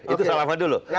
itu salafah dulu